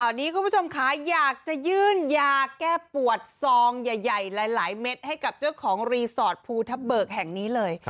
ตอนนี้คุณผู้ชมค่ะอยากจะยื่นยาแก้ปวดซองใหญ่หลายเม็ดให้กับเจ้าของรีสอร์ทภูทับเบิกแห่งนี้เลย